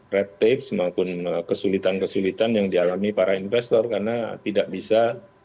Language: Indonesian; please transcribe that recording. raptage maupun kesulitan kesulitan yang dialami para investor karena tidak bisa